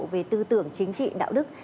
về tư tưởng chính trị đạo đức